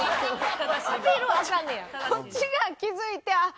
こっちが気付いてあっ